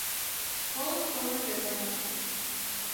Школыш корно петырныш.